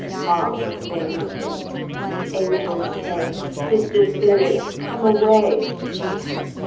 Hark! they whisper; angels say, Sister Spirit, come away!